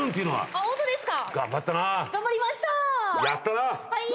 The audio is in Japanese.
あっホントですか。